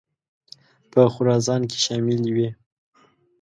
په خراسان کې شاملي وې.